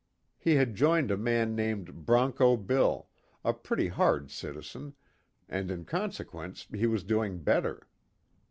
He had joined a man named Broncho Bill, a pretty hard citizen, and in consequence he was doing better.